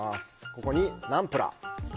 ここに、ナンプラー。